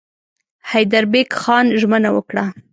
حیدربېګ خان ژمنه وکړه.